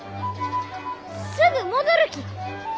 すぐ戻るき！